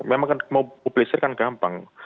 memang kan mau membeli listrik kan gampang